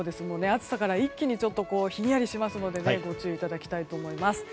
暑さから一気にひんやりしますのでご注意いただきたいと思います。